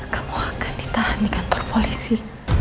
kamu akan ditahan di kantor koalisi